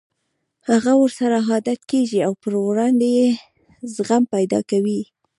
هغه ورسره عادت کېږي او پر وړاندې يې زغم پيدا کوي.